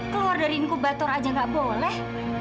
keluar dari inkubator aja gak boleh